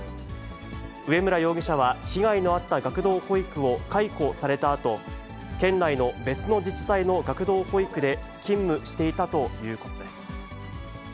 植村容疑者は、被害のあった学童保育を解雇されたあと、県内の別の自治体の学童保育で勤務していたということです。